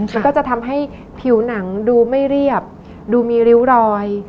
มันก็จะทำให้ผิวหนังดูไม่เรียบดูมีริ้วรอย